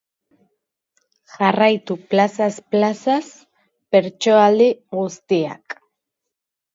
Jarraitu plazaz plazaz bertsoaldi guztiak.